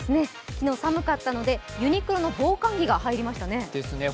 昨日、寒かったので、ユニクロの防寒着が入りましたね。